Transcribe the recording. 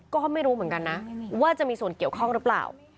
ก็ไม่รู้เหมือนกันนะว่าจะมีส่วนเกี่ยวข้องหรือเปล่า